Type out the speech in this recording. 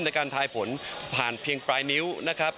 ในการทายผลผ่านเพียงปลายนิ้วนะครับ